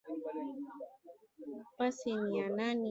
Pasi ni ya nani.